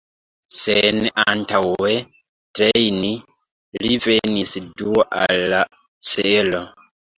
Sen antaŭe trejni li venis dua al la celo.